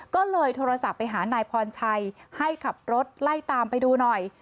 ก็เลยโทรศัพท์ไปหานายพรชัยให้ขับรถไล่ตามไปดูหน่อย